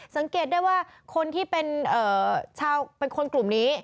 สังเกตได้ว่าคนที่เป็นชาวเป็นคนกลุ่มนี้